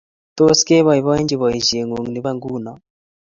Tos, keboiboichi boisiengung ni bo nguno?